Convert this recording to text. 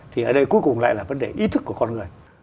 thì ở đây cuối cùng lại là vấn đề ý thức của con người